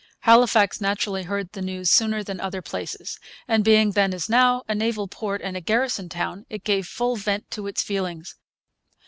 Halifax naturally heard the news sooner than other places; and being then, as now, a naval port and a garrison town, it gave full vent to its feelings.